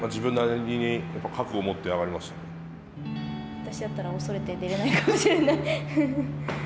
私だったら恐れて出れないかもしれない。